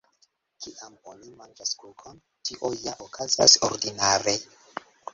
Kiam oni manĝas kukon, tio ja okazas ordinare.